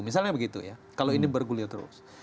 misalnya begitu ya kalau ini bergulir terus